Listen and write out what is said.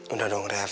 udah dong ref